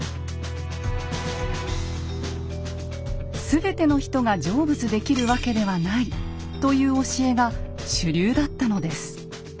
すべての人が成仏できるわけではないという教えが主流だったのです。